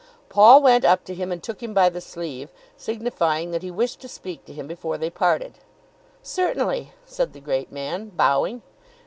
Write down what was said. Paul went up to him and took him by the sleeve, signifying that he wished to speak to him before they parted. "Certainly," said the great man bowing.